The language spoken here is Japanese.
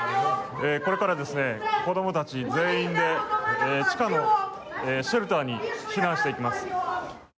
これから子供たち全員で地下のシェルターに避難していきます。